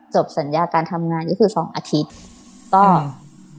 จบสัญญาการทำงานก็คือสองอาทิตย์ก็